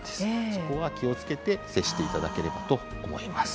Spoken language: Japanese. そこは気をつけて接していただければと思います。